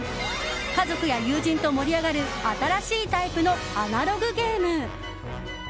家族や友人と盛り上がる新しいタイプのアナログゲーム。